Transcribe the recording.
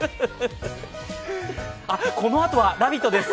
あっ、このあとは「ラヴィット！」です！